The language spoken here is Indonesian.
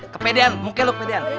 kepedean mukil lu kepedean